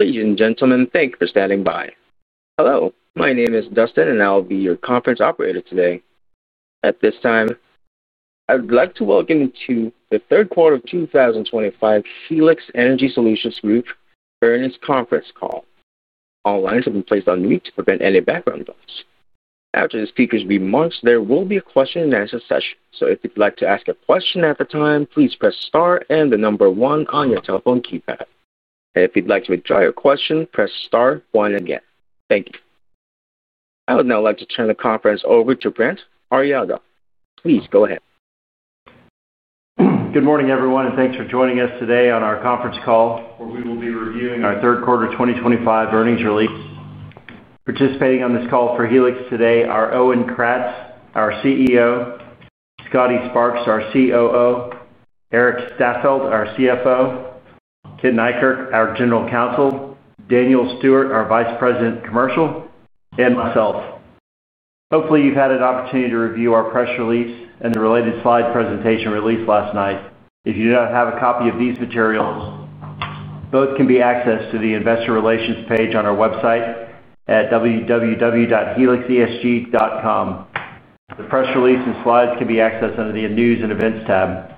Ladies and gentlemen, thank you for standing by. Hello, my name is Dustin and I'll be your conference operator today. At this time, I would like to welcome you to the third quarter of 2025 Helix Energy Solutions' earnings conference call. All lines have been placed on mute to prevent any background noise. After the speaker's remarks, there will be a question and answer session. If you'd like to ask a question at that time, please press star and the number one on your telephone keypad. If you'd like to withdraw your question, press star one again. Thank you. I would now like to turn the conference over to Brent Arriaga. Please go ahead. Good morning everyone and thanks for joining us today on our conference call where we will be reviewing our third quarter 2025 earnings release. Participating on this call for Helix today are Owen Kratz, our CEO, Scotty Sparks, our COO, Erik Staffeldt, our CFO, Ken Neikirk, our General Counsel, Daniel Stuart, our Vice President, Commercial, and myself. Hopefully, you've had an opportunity to review our press release and the related slide presentation released last night. If you do not have a copy of these materials, both can be accessed through the Investor Relations page on our website at www.helixesg.com. The press release and slides can be accessed under the news and events tab.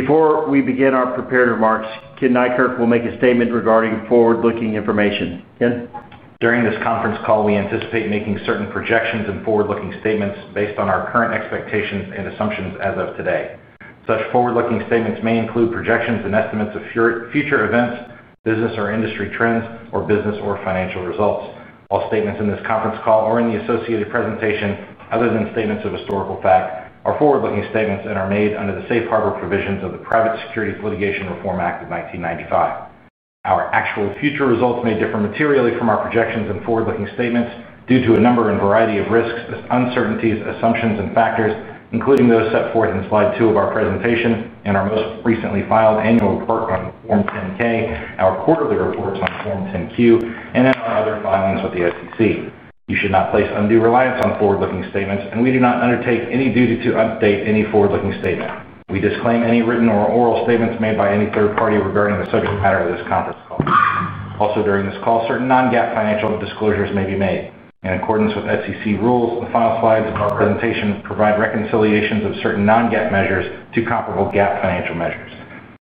Before we begin our prepared remarks, Ken Neikirk will make a statement regarding forward-looking information. Ken. During this conference call, we anticipate making certain projections and forward-looking statements based on our current expectations and assumptions as of today. Such forward-looking statements may include projections and estimates of future events, business or industry trends, or business or financial results. All statements in this conference call or in the associated presentation, other than statements of historical fact, are forward-looking statements and are made under the safe harbor provisions of the Private Securities Litigation Reform Act of 1995. Our actual future results may differ materially from our projections and forward-looking statements due to a number and variety of risks, uncertainties, assumptions, and factors, including those set forth in slide two of our presentation and our most recently filed annual report on Form 10-K, our quarterly reports on Form 10-Q, and in our other filings with the SEC. You should not place undue reliance on forward-looking statements, and we do not undertake any duty to update any forward-looking statement. We disclaim any written or oral statements made by any third party regarding the subject matter of this conference call. Also, during this call, certain non-GAAP financial disclosures may be made. In accordance with SEC rules, the final slides of our presentation provide reconciliations of certain non-GAAP measures to comparable GAAP financial measures.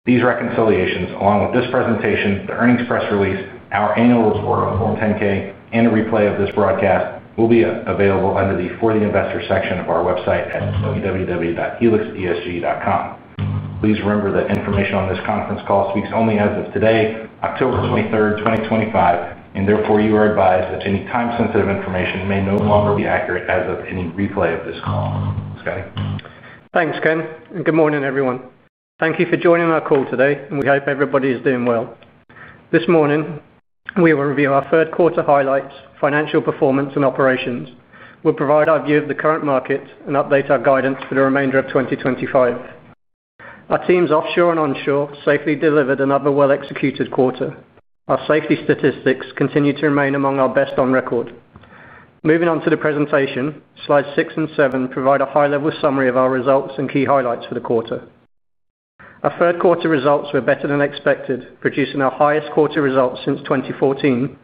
These reconciliations, along with this presentation, the earnings press release, our annual report on Form 10-K, and a replay of this broadcast, will be available under the For the Investor section of our website at www.helixesg.com. Please remember that information on this conference call speaks only as of today, October 23rd, 2025, and therefore you are advised that any time-sensitive information may no longer be accurate as of any replay of this call. Scotty? Thanks, Ken, and good morning everyone. Thank you for joining our call today, and we hope everybody is doing well. This morning, we will review our third quarter highlights, financial performance, and operations. We'll provide our view of the current market and update our guidance for the remainder of 2025. Our teams offshore and onshore safely delivered another well-executed quarter. Our safety statistics continue to remain among our best on record. Moving on to the presentation, slides six and seven provide a high-level summary of our results and key highlights for the quarter. Our third quarter results were better than expected, producing our highest quarter results since 2014,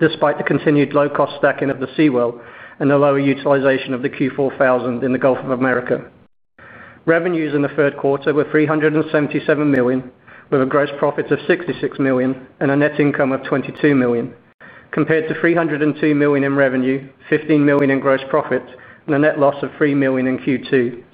despite the continued low-cost stacking of the seawall and the lower utilization of the Q4000 in the Gulf of Mexico. Revenues in the third quarter were $377 million, with a gross profit of $66 million and a net income of $22 million, compared to $302 million in revenue, $15 million in gross profit, and a net loss of $3 million in Q2.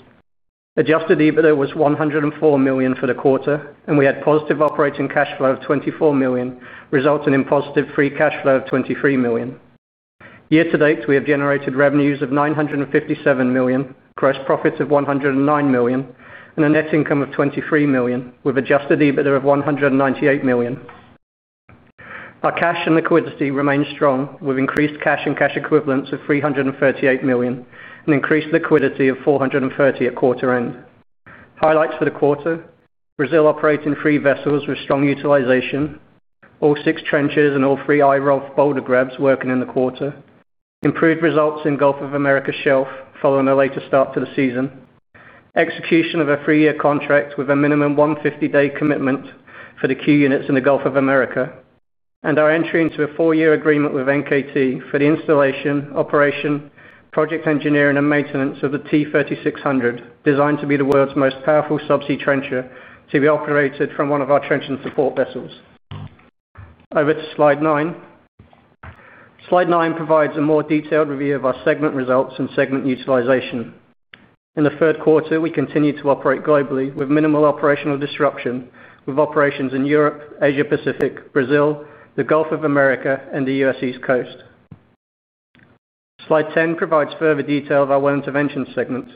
Adjusted EBITDA was $104 million for the quarter, and we had positive operating cash flow of $24 million, resulting in positive free cash flow of $23 million. Year to date, we have generated revenues of $957 million, gross profits of $109 million, and a net income of $23 million, with adjusted EBITDA of $198 million. Our cash and liquidity remained strong, with increased cash and cash equivalents of $338 million and increased liquidity of $430 million at quarter end. Highlights for the quarter: Brazil operating three vessels with strong utilization, all six trenchers and all three IROV boulder grabs working in the quarter, improved results in Gulf of Mexico shelf following a later start to the season, execution of a three-year contract with a minimum 150-day commitment for the Q units in the Gulf of Mexico, and our entry into a four-year agreement with NKT for the installation, operation, project engineering, and maintenance of the T3600, designed to be the world's most powerful subsea trencher to be operated from one of our trench and support vessels. Over to slide nine. Slide nine provides a more detailed review of our segment results and segment utilization. In the third quarter, we continue to operate globally with minimal operational disruption, with operations in Europe, Asia-Pacific, Brazil, the Gulf of Mexico, and the U.S. East Coast. Slide 10 provides further detail of our well intervention segment.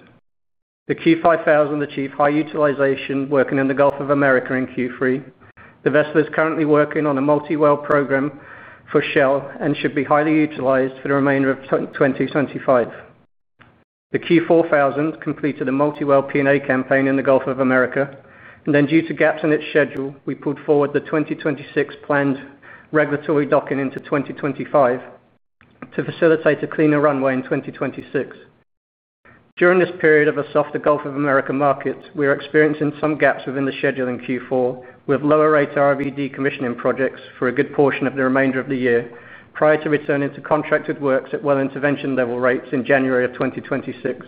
The Q4000 achieved high utilization working in the Gulf of Mexico in Q3. The vessel is currently working on a multi-well program for Shell and should be highly utilized for the remainder of 2025. The Q4000 completed a multi-well P&A campaign in the Gulf of Mexico, and then due to gaps in its schedule, we pulled forward the 2026 planned regulatory docking into 2025 to facilitate a cleaner runway in 2026. During this period of a softer Gulf of Mexico market, we are experiencing some gaps within the schedule in Q4, with lower rate ROV decommissioning projects for a good portion of the remainder of the year prior to returning to contracted works at well intervention level rates in January of 2026.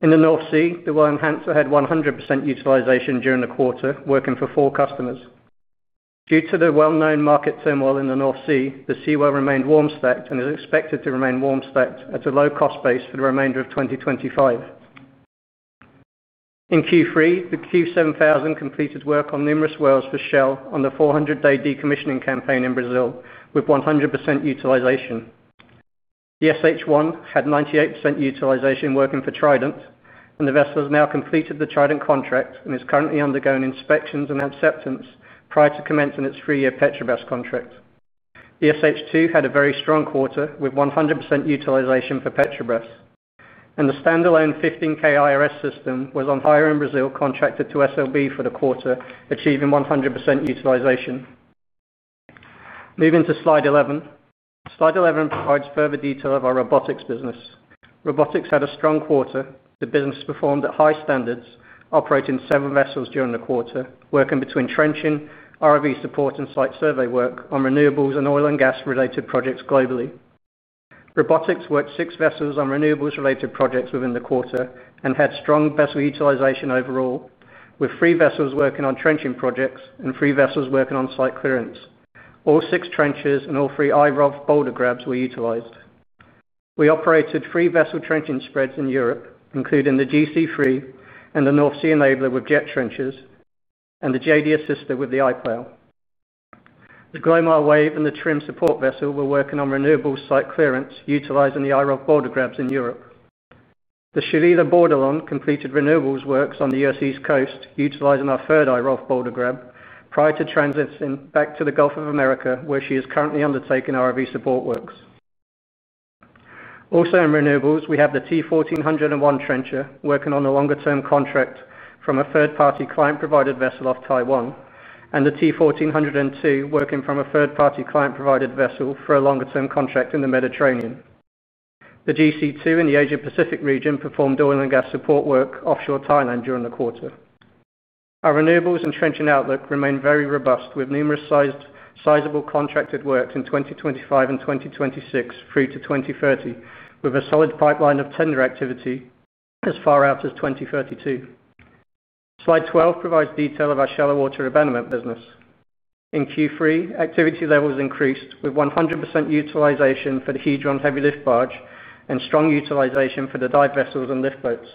In the North Sea, the Well Enhancer had 100% utilization during the quarter, working for four customers. Due to the well-known market turmoil in the North Sea, the Seawell remained warm stacked and is expected to remain warm stacked at a low cost base for the remainder of 2025. In Q3, the Q7000 completed work on numerous wells for Shell on the 400-day decommissioning campaign in Brazil with 100% utilization. The SH1 had 98% utilization working for Trident, and the vessel has now completed the Trident contract and is currently undergoing inspections and acceptance prior to commencing its three-year Petrobras contract. The SH2 had a very strong quarter with 100% utilization for Petrobras, and the standalone 15K IRS system was on hire in Brazil, contracted to SLB for the quarter, achieving 100% utilization. Moving to slide 11, slide 11 provides further detail of our robotics business. Robotics had a strong quarter. The business performed at high standards, operating seven vessels during the quarter, working between trenching, ROV support, and site survey work on renewables and oil and gas-related projects globally. Robotics worked six vessels on renewables-related projects within the quarter and had strong vessel utilization overall, with three vessels working on trenching projects and three vessels working on site clearance. All six trenchers and all three IROV boulder grabs were utilized. We operated three vessel trenching spreads in Europe, including the GCIII and the North Sea Enabler with jet trenchers, and the JD Assister with the i-Plough. The Glomar Wave and the Trym support vessel were working on renewable site clearance, utilizing the IROV boulder grabs in Europe. The Shalila Borderlon completed renewables works on the U.S. East Coast, utilizing our third IROV boulder grab prior to transitioning back to the Gulf of Mexico, where she is currently undertaking RV support works Also in renewables, we have the T1401 trencher working on a longer-term contract from a third-party client-provided vessel off Taiwan, and the T1402 working from a third-party client-provided vessel for a longer-term contract in the Mediterranean. The GC2 in the Asia-Pacific region performed oil and gas support work offshore Thailand during the quarter. Our renewables and trenching outlook remained very robust, with numerous sizable contracted works in 2025 and 2026 through to 2030, with a solid pipeline of tender activity as far out as 2032. Slide 12 provides detail of our shallow water abandonment business. In Q3, activity levels increased with 100% utilization for the Hedron heavy lift barge and strong utilization for the dive vessels and lift boats.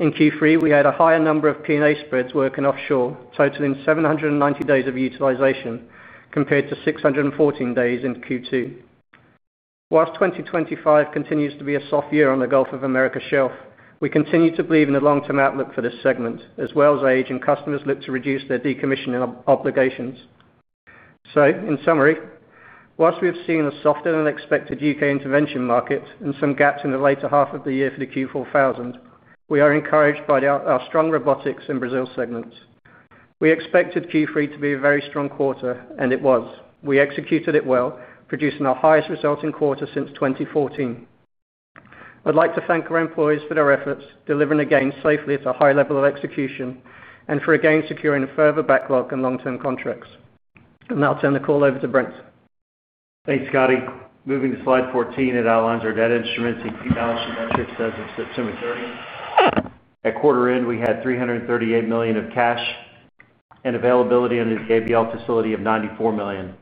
In Q3, we had a higher number of P&A spreads working offshore, totaling 790 days of utilization compared to 614 days in Q2. Whilst 2025 continues to be a soft year on the Gulf of Mexico shelf, we continue to believe in a long-term outlook for this segment, as well as aging customers look to reduce their decommissioning obligations. In summary, whilst we have seen a softer than expected U.K. intervention market and some gaps in the later half of the year for the Q4000, we are encouraged by our strong robotics and Brazil segments. We expected Q3 to be a very strong quarter, and it was. We executed it well, producing our highest result in quarter since 2014. I'd like to thank our employees for their efforts, delivering again safely at a high level of execution, and for again securing a further backlog and long-term contracts. I'll turn the call over to Brent. Thanks, Scotty. Moving to slide 14, it outlines our debt instruments and key balancing metrics as of September. At quarter end, we had $338 million of cash and availability under the ABL facility of $94 million,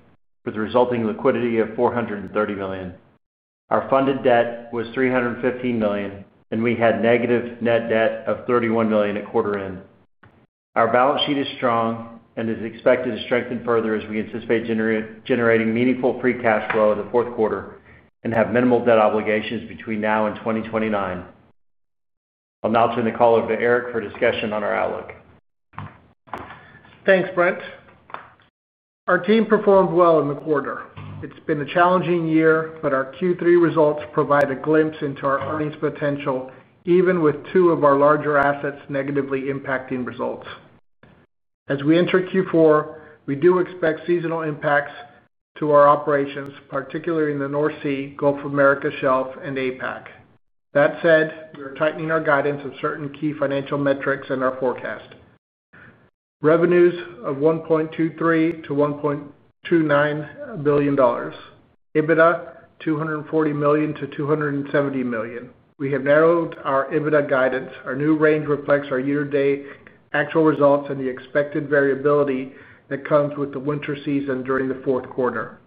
with a resulting liquidity of $430 million. Our funded debt was $315 million, and we had negative net debt of $31 million at quarter end. Our balance sheet is strong and is expected to strengthen further as we anticipate generating meaningful free cash flow in the fourth quarter and have minimal debt obligations between now and 2029. I'll now turn the call over to Erik for discussion on our outlook. Thanks, Brent. Our team performed well in the quarter. It's been a challenging year, but our Q3 results provide a glimpse into our earnings potential, even with two of our larger assets negatively impacting results. As we enter Q4, we do expect seasonal impacts to our operations, particularly in the North Sea, Gulf of Mexico shelf, and APAC. That said, we are tightening our guidance of certain key financial metrics and our forecast. Revenues of $1.23 billion-$1.29 billion. EBITDA $240 million-$270 million. We have narrowed our EBITDA guidance. Our new range reflects our year-to-date actual results and the expected variability that comes with the winter season during the fourth quarter.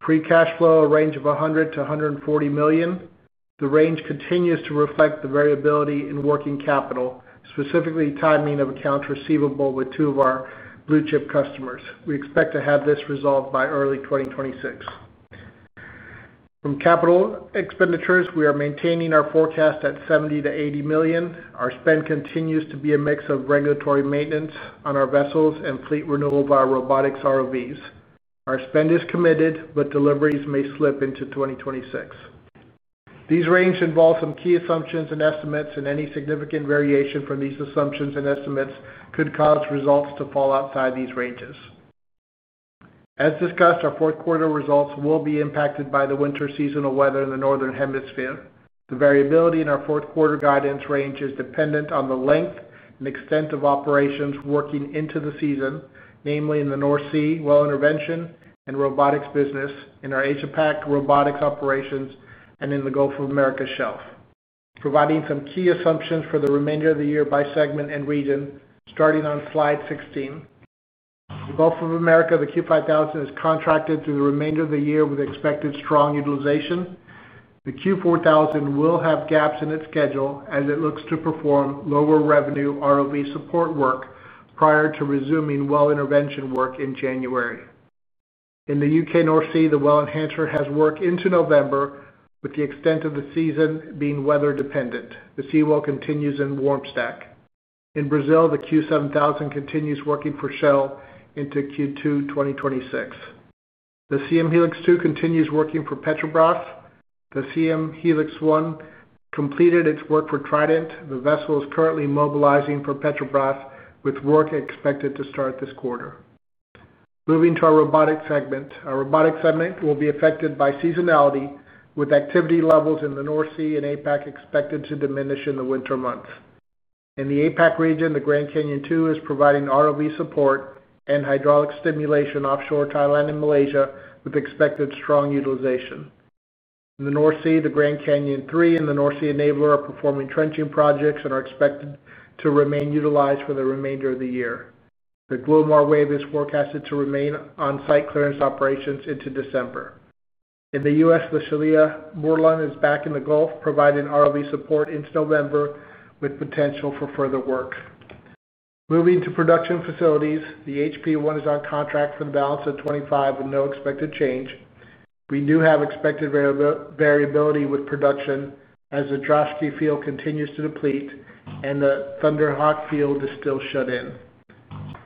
Free cash flow range of $100 million-$140 million. The range continues to reflect the variability in working capital, specifically timing of accounts receivable with two of our blue-chip customers. We expect to have this resolved by early 2026. From capital expenditures, we are maintaining our forecast at $70 million-$80 million. Our spend continues to be a mix of regulatory maintenance on our vessels and fleet renewal of our robotics ROVs. Our spend is committed, but deliveries may slip into 2026. These ranges involve some key assumptions and estimates, and any significant variation from these assumptions and estimates could cause results to fall outside these ranges. As discussed, our fourth quarter results will be impacted by the winter seasonal weather in the northern hemisphere. The variability in our fourth quarter guidance range is dependent on the length and extent of operations working into the season, namely in the North Sea well intervention and robotics business, in our Asia-Pac robotics operations, and in the Gulf of Mexico shelf. Providing some key assumptions for the remainder of the year by segment and region, starting on slide 16. The Gulf of Mexico, the Q5000, is contracted through the remainder of the year with expected strong utilization. The Q4000 will have gaps in its schedule as it looks to perform lower revenue ROV support work prior to resuming well intervention work in January. In the U.K. North Sea, the Well Enhancer has work into November, with the extent of the season being weather dependent. The Seawell continues in warm stack. In Brazil, the Q7000 continues working for Shell into Q2 2026. The CM Helix 2 continues working for Petrobras. The Siem Helix 1 completed its work for Trident. The vessel is currently mobilizing for Petrobras, with work expected to start this quarter. Moving to our robotics segment, our robotics segment will be affected by seasonality, with activity levels in the North Sea and APAC expected to diminish in the winter months. In the APAC region, the Grand Canyon II is providing ROV support and hydraulic stimulation offshore Thailand and Malaysia, with expected strong utilization. In the North Sea, the Grand Canyon III and the North Sea Enabler are performing trenching projects and are expected to remain utilized for the remainder of the year. The Glomar Wave is forecasted to remain on site clearance operations into December. In the U.S., the Shalila Borderlon is back in the Gulf of Mexico, providing ROV support into November, with potential for further work. Moving to production facilities, the HP I is on contract for the balance of 2025, with no expected change. We do have expected variability with production as the Droshky Field continues to deplete and the Thunder Hawk Field is still shut in.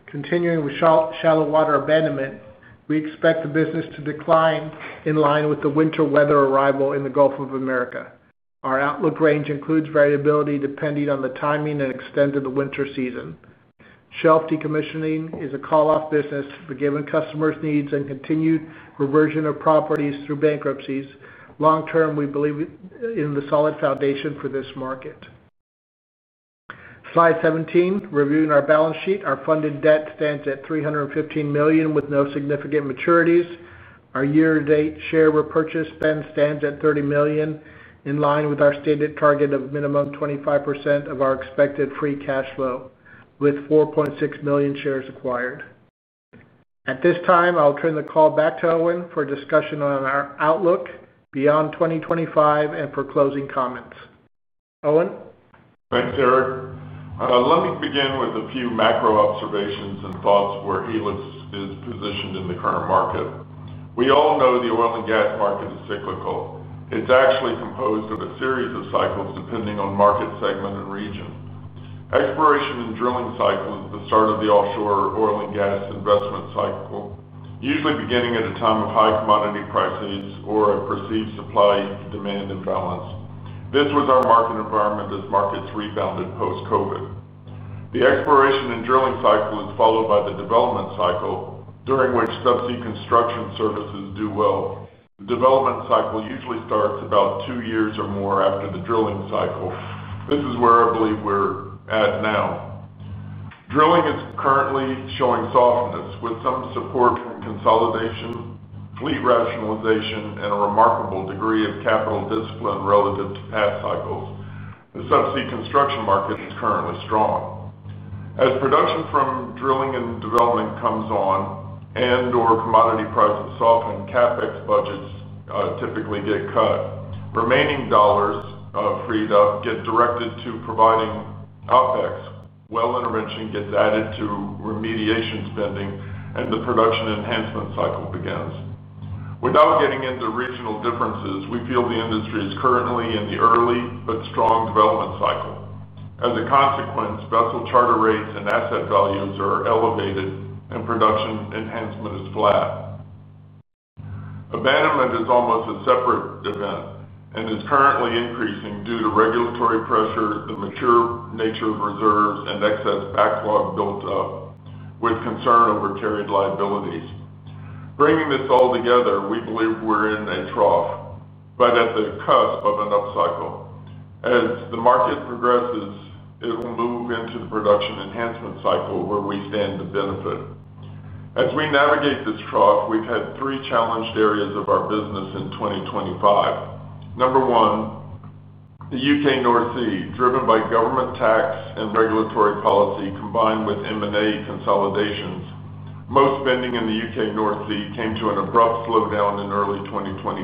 Continuing with shallow water abandonment, we expect the business to decline in line with the winter weather arrival in the Gulf of Mexico. Our outlook range includes variability depending on the timing and extent of the winter season. Shelf decommissioning is a call-off business, but given customers' needs and continued reversion of properties through bankruptcies, long-term, we believe in the solid foundation for this market. Slide 17, reviewing our balance sheet, our funded debt stands at $315 million with no significant maturities. Our year-to-date share repurchase spend stands at $30 million, in line with our stated target of minimum 25% of our expected free cash flow, with 4.6 million shares acquired. At this time, I'll turn the call back to Owen for discussion on our outlook beyond 2025 and for closing comments. Owen? Thanks, Erik. Let me begin with a few macro observations and thoughts where Heli is positioned in the current market. We all know the oil and gas market is cyclical. It's actually composed of a series of cycles depending on market segment and region. The exploration and drilling cycle is the start of the offshore oil and gas investment cycle, usually beginning at a time of high commodity prices or a perceived supply-demand imbalance. This was our market environment as markets rebounded post-COVID. The exploration and drilling cycle is followed by the development cycle, during which subsea construction services do well. The development cycle usually starts about two years or more after the drilling cycle. This is where I believe we're at now. Drilling is currently showing softness, with some support from consolidation, fleet rationalization, and a remarkable degree of capital discipline relative to past cycles. The subsea construction market is currently strong. As production from drilling and development comes on and/or commodity prices soften, CapEx budgets typically get cut. Remaining dollars freed up get directed to providing OpEx. Well intervention gets added to remediation spending, and the production enhancement cycle begins. Without getting into regional differences, we feel the industry is currently in the early but strong development cycle. As a consequence, vessel charter rates and asset values are elevated, and production enhancement is flat. Abandonment is almost a separate event and is currently increasing due to regulatory pressure, the mature nature of reserves, and excess backlog built up, with concern over carried liabilities. Bringing this all together, we believe we're in a trough, but at the cusp of an upcycle. As the market progresses, it will move into the production enhancement cycle where we stand to benefit. As we navigate this trough, we've had three challenged areas of our business in 2025. Number one, the U.K. North Sea, driven by government tax and regulatory policy combined with M&A consolidations. Most spending in the U.K. North Sea came to an abrupt slowdown in early 2025.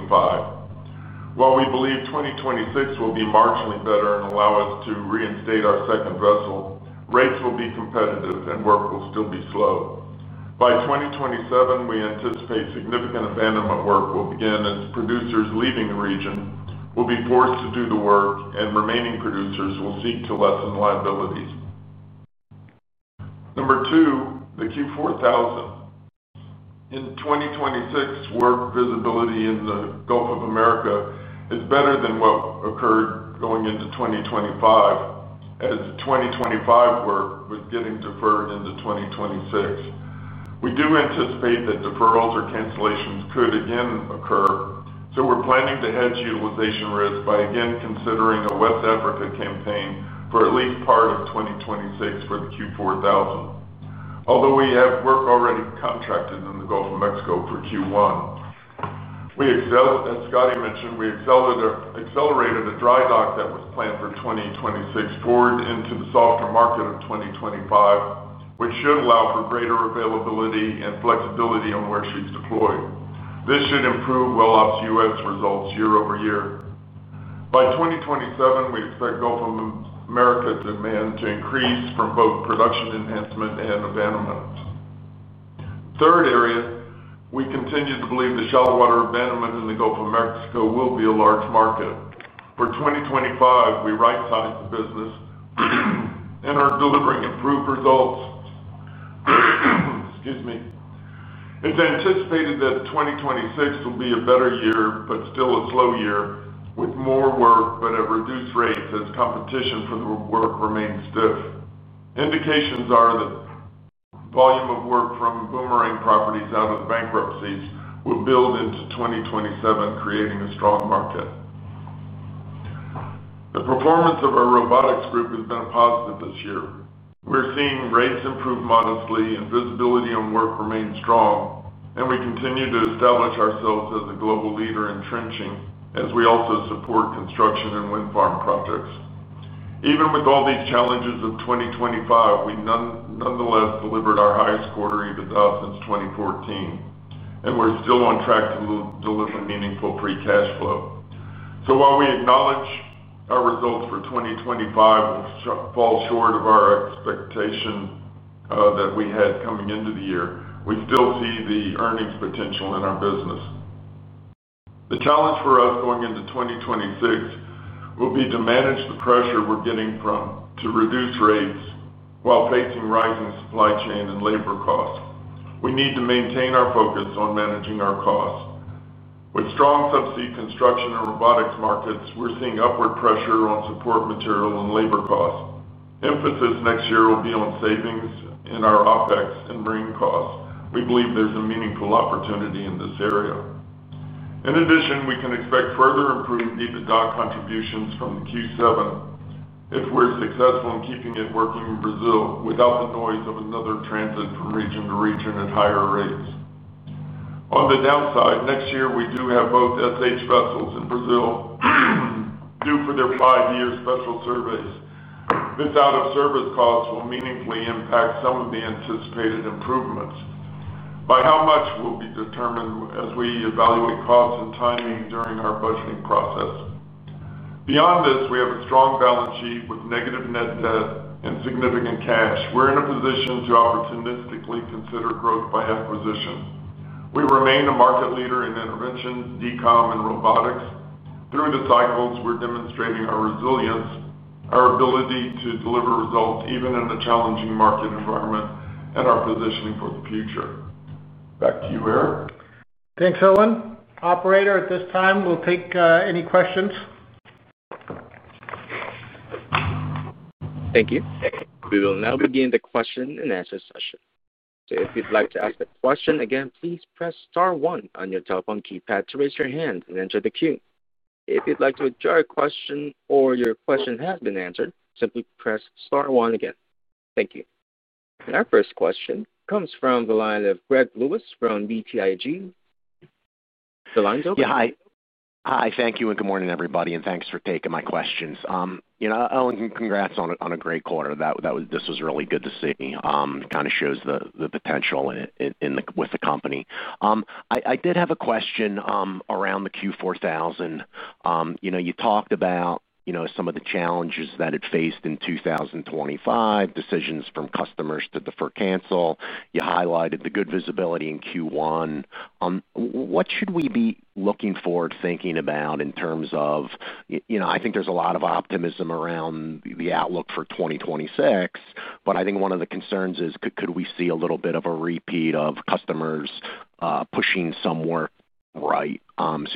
While we believe 2026 will be marginally better and allow us to reinstate our second vessel, rates will be competitive and work will still be slow. By 2027, we anticipate significant abandonment work will begin as producers leaving the region will be forced to do the work, and remaining producers will seek to lessen liabilities. Number two, the Q4000. In 2026, work visibility in the Gulf of Mexico is better than what occurred going into 2025, as 2025 work was getting deferred into 2026. We do anticipate that deferrals or cancellations could again occur, so we're planning to hedge utilization risk by again considering a West Africa campaign for at least part of 2026 for the Q4000. Although we have work already contracted in the Gulf of Mexico for Q1, we excel, as Scotty mentioned, we accelerated a dry dock that was planned for 2026 forward into the softer market of 2025, which should allow for greater availability and flexibility on where she's deployed. This should improve Well Ops U.S. results year-over-year. By 2027, we expect Gulf of Mexico demand to increase from both production enhancement and abandonment. Third area, we continue to believe the shallow water abandonment in the Gulf of Mexico will be a large market. For 2025, we right-sized the business and are delivering improved results. It's anticipated that 2026 will be a better year, but still a slow year, with more work but at reduced rates as competition for the work remains stiff. Indications are that the volume of work from boomerang properties out of the bankruptcies will build into 2027, creating a strong market. The performance of our robotics group has been a positive this year. We're seeing rates improve modestly and visibility on work remain strong, and we continue to establish ourselves as a global leader in trenching as we also support construction and wind farm projects. Even with all these challenges of 2025, we nonetheless delivered our highest quarter EBITDA since 2014, and we're still on track to deliver meaningful free cash flow. While we acknowledge our results for 2025 will fall short of our expectation that we had coming into the year, we still see the earnings potential in our business. The challenge for us going into 2026 will be to manage the pressure we're getting to reduce rates while facing rising supply chain and labor costs. We need to maintain our focus on managing our costs. With strong subsea construction and robotics markets, we're seeing upward pressure on support material and labor costs. Emphasis next year will be on savings in our OpEx and marine costs. We believe there's a meaningful opportunity in this area. In addition, we can expect further improved EBITDA contributions from the Q7000 if we're successful in keeping it working in Brazil without the noise of another transit from region to region at higher rates. On the downside, next year we do have both SH vessels in Brazil due for their five-year special surveys. This out-of-service cost will meaningfully impact some of the anticipated improvements. By how much will be determined as we evaluate costs and timing during our budgeting process. Beyond this, we have a strong balance sheet with negative net debt and significant cash. We're in a position to opportunistically consider growth by acquisition. We remain a market leader in intervention, decommissioning, and robotics. Through the cycles, we're demonstrating our resilience, our ability to deliver results even in a challenging market environment, and our positioning for the future. Back to you, Erik. Thanks, Owen. Operator, at this time, we'll take any questions. Thank you. We will now begin the question-and-answer session. If you'd like to ask a question again, please press star one on your telephone keypad to raise your hand and enter the queue. If you'd like to withdraw a question or your question has been answered, simply press star one again. Thank you. Our first question comes from the line of Greg Lewis from BTIG. The line's open. Yeah, hi. Thank you, and good morning everybody, and thanks for taking my questions. Owen, congrats on a great quarter. This was really good to see. It kind of shows the potential with the company. I did have a question around the Q4000. You talked about some of the challenges that it faced in 2025, decisions from customers to defer or cancel. You highlighted the good visibility in Q1. What should we be looking forward to in terms of, I think there's a lot of optimism around the outlook for 2026, but I think one of the concerns is could we see a little bit of a repeat of customers pushing some work, right?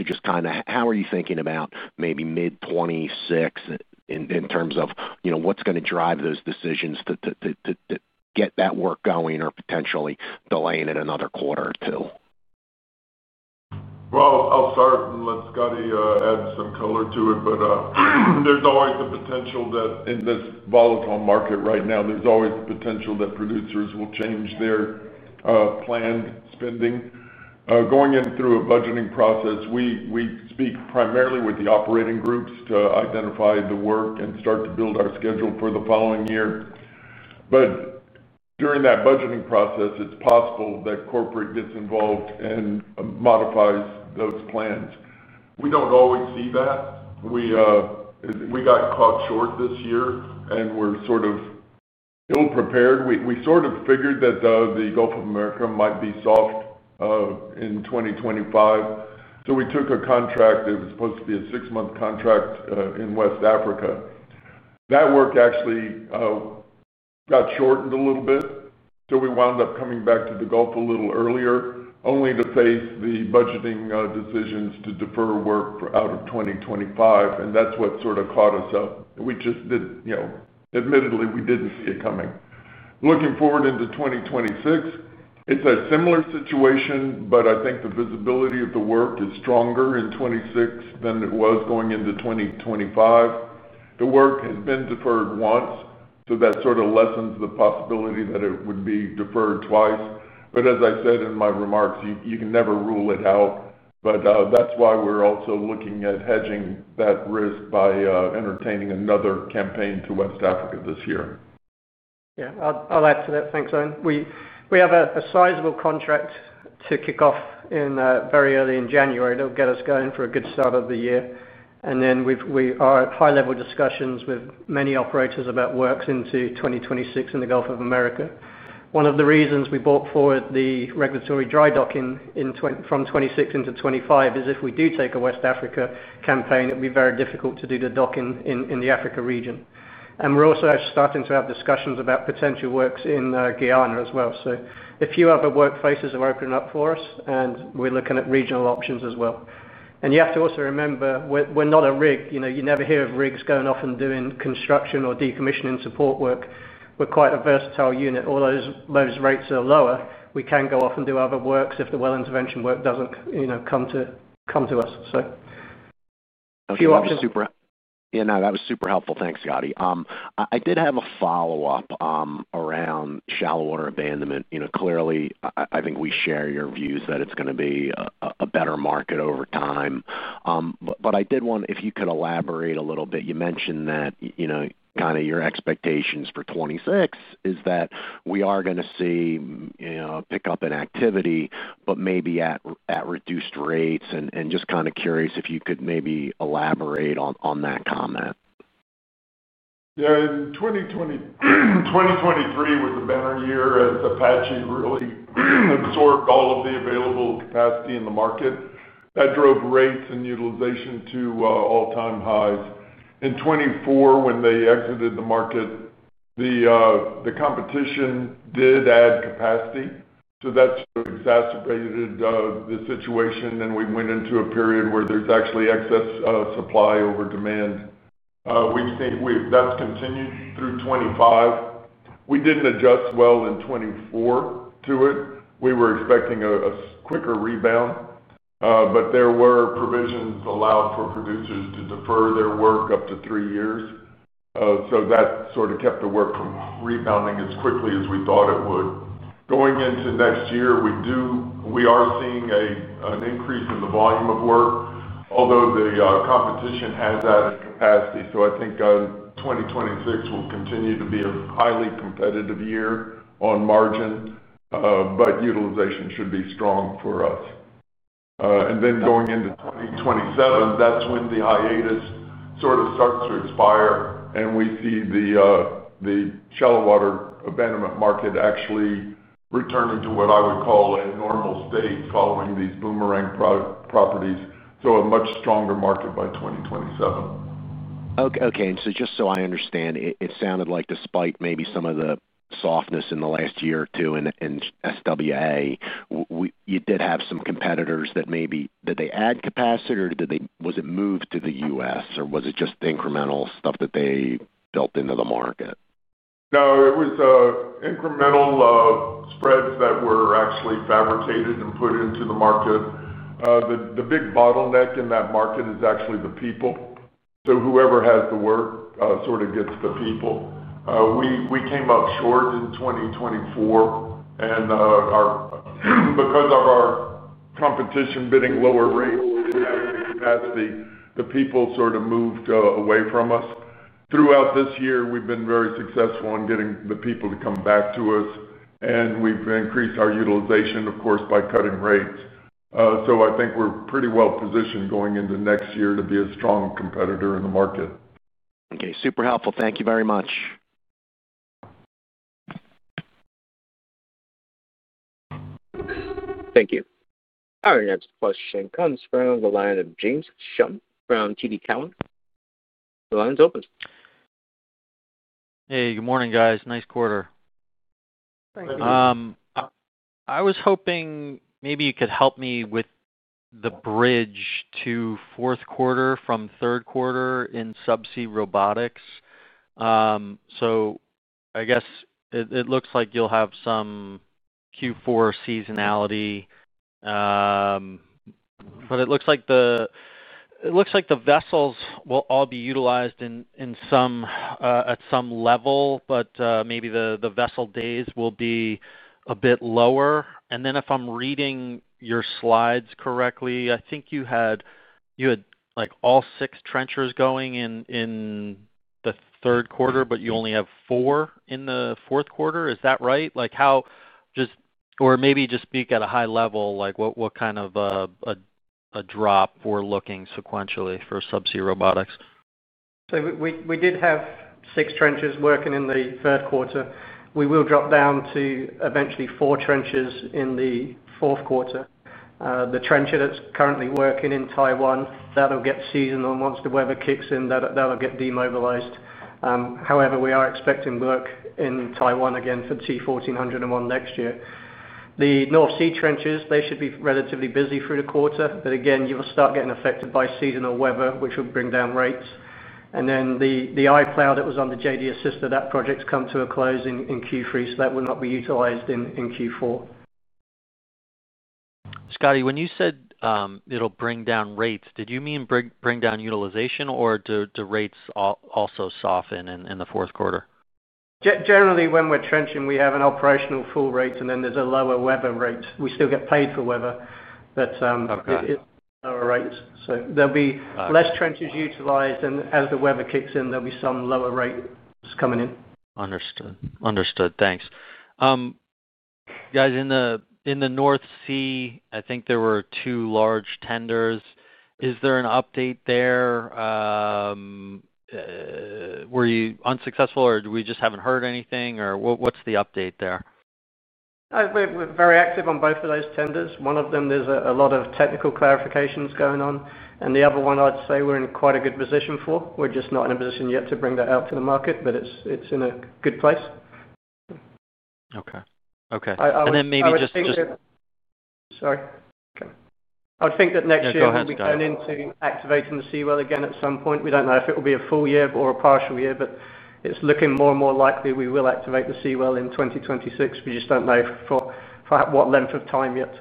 Just kind of how are you thinking about maybe mid-2026 in terms of what's going to drive those decisions to get that work going or potentially delaying it another quarter or two? I'll start and let Scotty add some color to it. There's always the potential that in this volatile market right now, producers will change their planned spending. Going in through a budgeting process, we speak primarily with the operating groups to identify the work and start to build our schedule for the following year. During that budgeting process, it's possible that corporate gets involved and modifies those plans. We don't always see that. We got caught short this year and were sort of ill-prepared. We sort of figured that the Gulf of Mexico might be soft in 2025. We took a contract, it was supposed to be a six-month contract, in West Africa. That work actually got shortened a little bit, so we wound up coming back to the Gulf a little earlier, only to face the budgeting decisions to defer work for out of 2025, and that's what sort of caught us up. We just didn't, you know, admittedly, we didn't see it coming. Looking forward into 2026, it's a similar situation, but I think the visibility of the work is stronger in 2026 than it was going into 2025. The work has been deferred once, so that sort of lessens the possibility that it would be deferred twice. As I said in my remarks, you can never rule it out, but that's why we're also looking at hedging that risk by entertaining another campaign to West Africa this year. Yeah, I'll add to that. Thanks, Owen. We have a sizable contract to kick off very early in January. It'll get us going for a good start of the year. We are at high-level discussions with many operators about works into 2026 in the Gulf of Mexico. One of the reasons we brought forward the regulatory dry docking from 2026 into 2025 is if we do take a West Africa campaign, it'd be very difficult to do the docking in the Africa region. We're also starting to have discussions about potential works in Guyana as well. A few other workplaces are opening up for us, and we're looking at regional options as well. You have to also remember we're not a rig. You never hear of rigs going off and doing construction or decommissioning support work. We're quite a versatile unit. Although those rates are lower, we can go off and do other works if the well intervention work doesn't come to us. A few options. Yeah, no, that was super helpful. Thanks, Scotty. I did have a follow-up around shallow water abandonment. Clearly, I think we share your views that it's going to be a better market over time. I did want to, if you could elaborate a little bit, you mentioned that your expectations for 2026 are that we are going to see a pickup in activity, but maybe at reduced rates. Just kind of curious if you could maybe elaborate on that comment. Yeah, in 2023, it was a banner year as Apache really absorbed all of the available capacity in the market. That drove rates and utilization to all-time highs. In 2024, when they exited the market, the competition did add capacity. That sort of exacerbated the situation, and we went into a period where there's actually excess supply over demand. We've seen that's continued through 2025. We didn't adjust well in 2024 to it. We were expecting a quicker rebound, but there were provisions allowed for producers to defer their work up to three years. That sort of kept the work from rebounding as quickly as we thought it would. Going into next year, we are seeing an increase in the volume of work, although the competition has added capacity. I think 2026 will continue to be a highly competitive year on margin, but utilization should be strong for us. Going into 2027, that's when the hiatus sort of starts to expire, and we see the shallow water abandonment market actually returning to what I would call a normal state following these boomerang properties. A much stronger market by 2027. Okay. Just so I understand, it sounded like despite maybe some of the softness in the last year or two in SWA, you did have some competitors that maybe, did they add capacity or did they, was it moved to the U.S. or was it just incremental stuff that they built into the market? No, it was incremental spreads that were actually fabricated and put into the market. The big bottleneck in that market is actually the people. Whoever has the work sort of gets the people. We came up short in 2024, and because of our competition bidding lower rates and having the capacity, the people sort of moved away from us. Throughout this year, we've been very successful in getting the people to come back to us, and we've increased our utilization, of course, by cutting rates. I think we're pretty well positioned going into next year to be a strong competitor in the market. Okay, super helpful. Thank you very much. Thank you. Our next question comes from the line of James Schumm from TD Cowen. The line's open. Hey, good morning guys. Nice quarter. Thank you. I was hoping maybe you could help me with the bridge to fourth quarter from third quarter in subsea robotics. I guess it looks like you'll have some Q4 seasonality. It looks like the vessels will all be utilized at some level, but maybe the vessel days will be a bit lower. If I'm reading your slides correctly, I think you had all six trenchers going in the third quarter, but you only have four in the fourth quarter. Is that right? Maybe just speak at a high level, what kind of a drop we're looking at sequentially for subsea robotics? We did have six trenchers working in the third quarter. We will drop down to eventually four trenchers in the fourth quarter. The trencher that's currently working in Taiwan, that'll get seasonal once the weather kicks in. That'll get demobilized. However, we are expecting work in Taiwan again for T1400-1 next year. The North Sea trenchers should be relatively busy through the quarter, but you will start getting affected by seasonal weather, which will bring down rates. The i-Plough that was on the JD Assister, that project's come to a close in Q3, so that will not be utilized in Q4. Scotty, when you said it'll bring down rates, did you mean bring down utilization, or do rates also soften in the fourth quarter? Generally, when we're trenching, we have an operational full rate, and then there's a lower weather rate. We still get paid for weather, but it's lower rates. There'll be less trenchers utilized, and as the weather kicks in, there'll be some lower rates coming in. Understood. Thanks. Guys, in the North Sea, I think there were two large tenders. Is there an update there? Were you unsuccessful or do we just haven't heard anything or what's the update there? We're very active on both of those tenders. One of them, there's a lot of technical clarifications going on. The other one, I'd say we're in quite a good position for. We're just not in a position yet to bring that out to the market, but it's in a good place. Okay. Maybe just. Okay. I would think that next year we turn into activating the seawall again at some point. We don't know if it will be a full year or a partial year, but it's looking more and more likely we will activate the seawall in 2026. We just don't know for what length of time yet.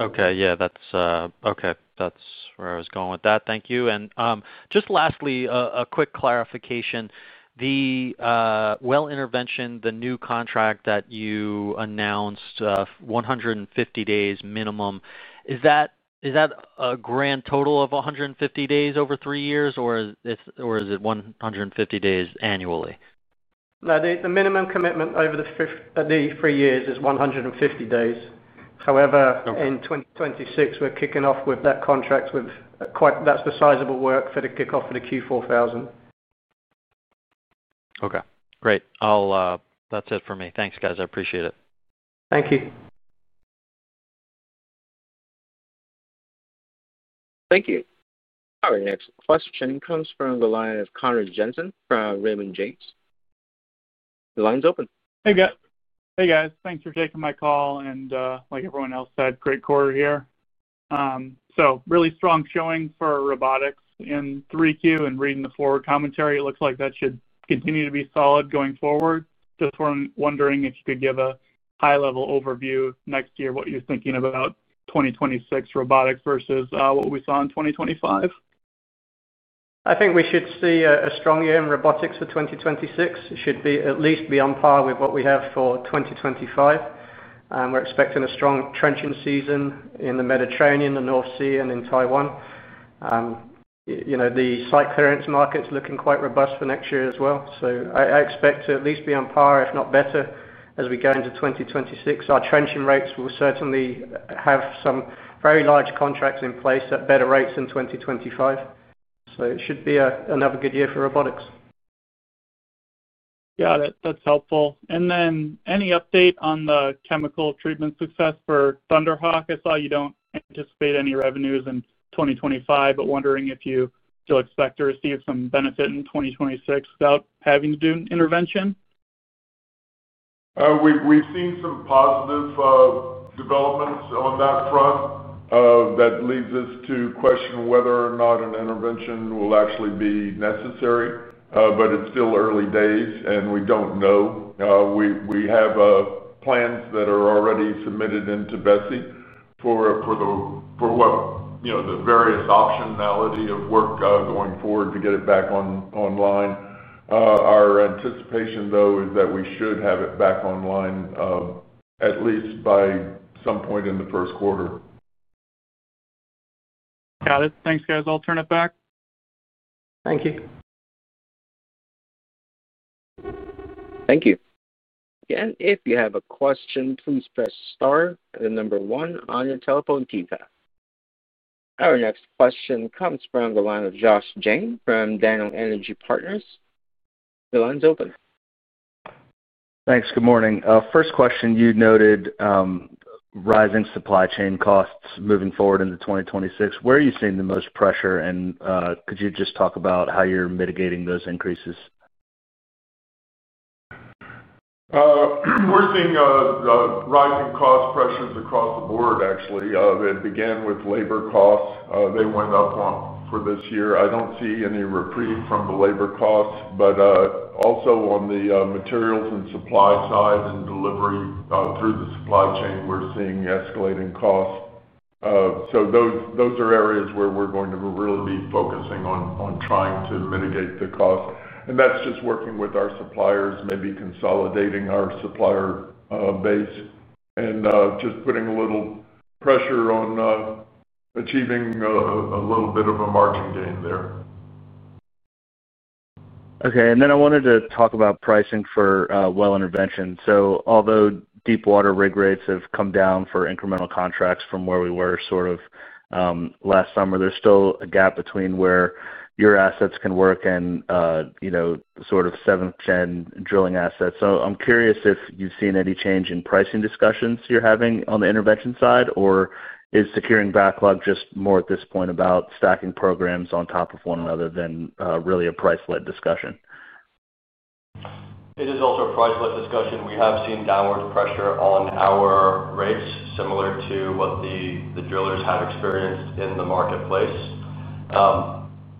Okay. That's where I was going with that. Thank you. Just lastly, a quick clarification. The well intervention, the new contract that you announced, 150 days minimum. Is that a grand total of 150 days over three years or is it 150 days annually? No, the minimum commitment over the three years is 150 days. However, in 2026, we're kicking off with that contract with quite, that's the sizeable work for the kickoff for the Q4000. Okay. Great. That's it for me. Thanks, guys. I appreciate it. Thank you. Thank you. Our next question comes from the line of Connor Jensen from Raymond James. The line's open. Hey, guys. Thanks for taking my call and, like everyone else said, great quarter here. Really strong showing for robotics in 3Q and reading the forward commentary, it looks like that should continue to be solid going forward. Just wondering if you could give a high-level overview next year of what you're thinking about 2026 robotics versus what we saw in 2025. I think we should see a strong year in robotics for 2026. It should at least be on par with what we have for 2025. We're expecting a strong trenching season in the Mediterranean, the North Sea, and in Taiwan. The site clearance market's looking quite robust for next year as well. I expect to at least be on par, if not better, as we go into 2026. Our trenching rates will certainly have some very large contracts in place at better rates in 2025. It should be another good year for robotics. Yeah, that's helpful. Any update on the chemical treatment success for Thunder Hawk? I saw you don't anticipate any revenues in 2025, but wondering if you still expect to receive some benefit in 2026 without having to do intervention? We've seen some positive developments on that front. That leads us to question whether or not an intervention will actually be necessary. It's still early days and we don't know. We have plans that are already submitted into BSEE for the various optionality of work going forward to get it back online. Our anticipation though is that we should have it back online at least by some point in the first quarter. Got it. Thanks, guys. I'll turn it back. Thank you. Thank you. Again, if you have a question, please press star and number one on your telephone keypad. Our next question comes from the line of Josh Jayne from Daniel Energy Partners. The line's open. Thanks. Good morning. First question, you noted rising supply chain costs moving forward into 2026. Where are you seeing the most pressure, and could you just talk about how you're mitigating those increases? We're seeing the rising cost pressures across the board, actually. It began with labor costs. They went up for this year. I don't see any reprieve from the labor costs, but also on the materials and supply sides and delivery, through the supply chain, we're seeing escalating costs. Those are areas where we're going to really be focusing on trying to mitigate the costs. That's just working with our suppliers, maybe consolidating our supplier base, and just putting a little pressure on achieving a little bit of a margin gain there. Okay. I wanted to talk about pricing for well intervention. Although deep water rig rates have come down for incremental contracts from where we were last summer, there's still a gap between where your assets can work and, you know, sort of seventh gen drilling assets. I'm curious if you've seen any change in pricing discussions you're having on the intervention side or is securing backlog just more at this point about stacking programs on top of one another than really a price-led discussion? It is also a price-led discussion. We have seen downward pressure on our rates, similar to what the drillers have experienced in the marketplace.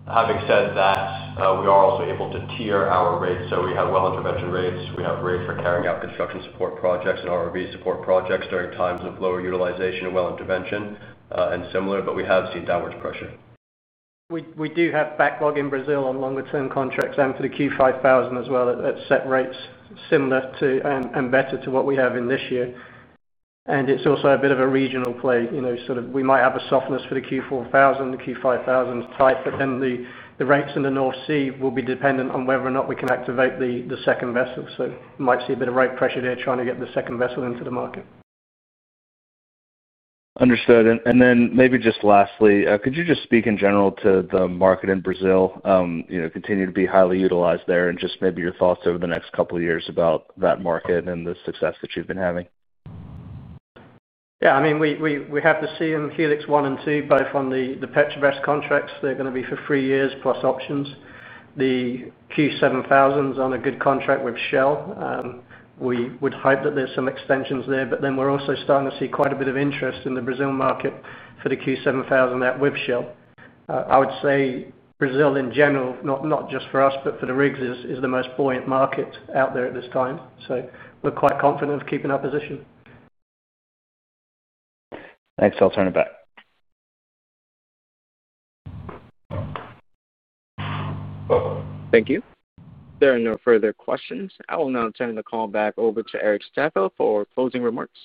Having said that, we are also able to tier our rates. We have well intervention rates. We have rates for carrying out construction support projects and ROV support projects during times of lower utilization in well intervention and similar, but we have seen downward pressure. We do have backlog in Brazil on longer-term contracts and for the Q5000 as well. That's set rates similar to and better to what we have in this year. It's also a bit of a regional play, you know, sort of we might have a softness for the Q4000, the Q5000 type, but then the rates in the UK North Sea will be dependent on whether or not we can activate the second vessel. We might see a bit of rate pressure there trying to get the second vessel into the market. Understood. Maybe just lastly, could you just speak in general to the market in Brazil, you know, continue to be highly utilized there and just maybe your thoughts over the next couple of years about that market and the success that you've been having? Yeah, I mean, we have to see in Helix 1 and 2, both on the Petrobras contracts, they're going to be for three years plus options. The Q7000 is on a good contract with Shell. We would hope that there's some extensions there, but then we're also starting to see quite a bit of interest in the Brazil market for the Q7000 out with Shell. I would say Brazil in general, not just for us, but for the rigs, is the most buoyant market out there at this time. We're quite confident of keeping our position. Thanks. I'll turn it back. Thank you. There are no further questions. I will now turn the call back over to Erik Staffeldt for closing remarks.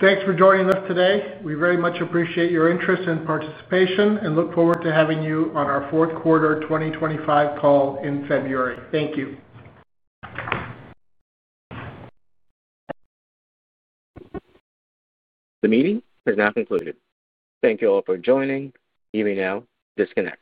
Thanks for joining us today. We very much appreciate your interest and participation and look forward to having you on our fourth quarter 2025 call in February. Thank you. The meeting is now concluded. Thank you all for joining. Evening now. Disconnect.